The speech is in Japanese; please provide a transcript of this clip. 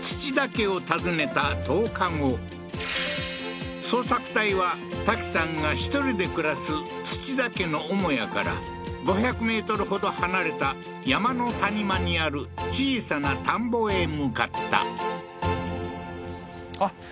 家を訪ねた捜索隊はタキさんが１人で暮らす土田家の母屋から５００ｍほど離れた山の谷間にある小さな田んぼへ向かった